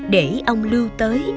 để ông lưu tới